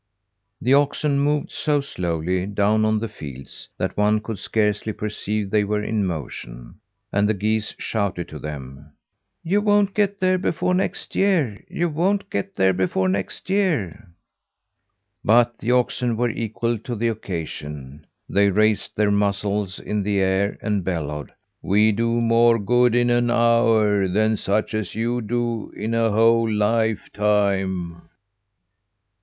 The oxen moved so slowly down on the fields, that one could scarcely perceive they were in motion, and the geese shouted to them: "You won't get there before next year. You won't get there before next year." But the oxen were equal to the occasion. They raised their muzzles in the air and bellowed: "We do more good in an hour than such as you do in a whole lifetime."